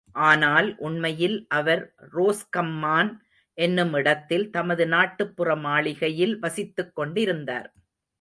ஆனால் உண்மையில் அவர் ரோஸ்கம்மான் என்னுமிடத்தில் தமது நாட்டுப்புற மாளிகையில் வசித்துக்கொண்டிருந்தார்.